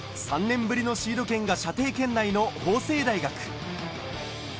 ３年ぶりのシード権が射程圏内の法政大学。